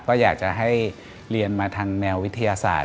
ก็อยากจะให้เรียนมาทางแนววิทยาศาสตร์